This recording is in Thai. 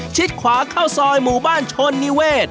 ขวาเข้าซอยหมู่บ้านชนนิเวศ